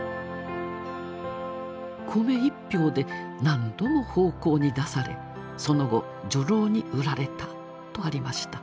「米１俵で何度も奉公に出されその後女郎に売られたとありました。